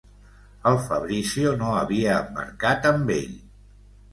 El Fabrizio no havia embarcat amb ell.